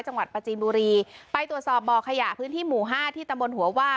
ประจีนบุรีไปตรวจสอบบ่อขยะพื้นที่หมู่ห้าที่ตำบลหัวว่า